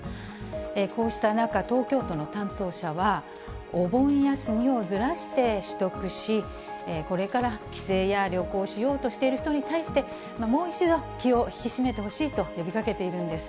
こうした中、東京都の担当者は、お盆休みをずらして取得し、これから帰省や旅行しようとしている人に対して、もう一度気を引き締めてほしいと呼びかけているんです。